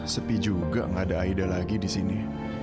sepi juga gak ada aida lagi disini